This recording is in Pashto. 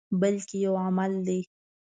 بلکې یو عمل دی.